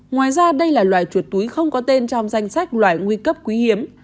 ngoài ra đây là loài chuột túi không có tên trong danh sách loài nguy cấp quý hiếm